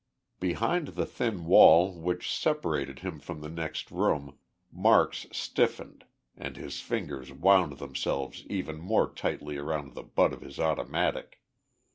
Behind the thin wall which separated him from the next room Marks stiffened and his fingers wound themselves even more tightly around the butt of his automatic.